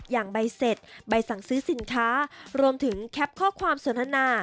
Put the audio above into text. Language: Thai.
อย่างใบเสร็จใบสั่งซื้อสินค้ารวมถึงแคปข้อความสนทนา